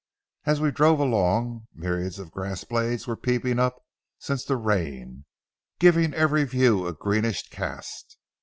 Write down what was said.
As we drove along, myriads of grass blades were peeping up since the rain, giving every view a greenish cast.